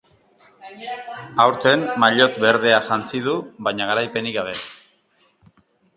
Aurten maillot berdea jantzi du, baina garaipenik gabe.